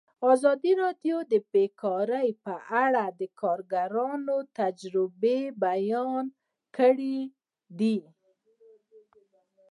ازادي راډیو د بیکاري په اړه د کارګرانو تجربې بیان کړي.